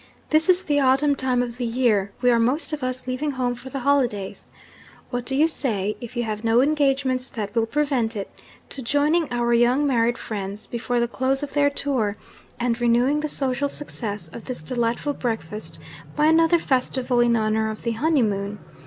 This is the autumn time of the year; we are most of us leaving home for the holidays. What do you say (if you have no engagements that will prevent it) to joining our young married friends before the close of their tour, and renewing the social success of this delightful breakfast by another festival in honour of the honeymoon?